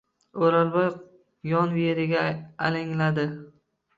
O’rolboy yon-veriga alangladi.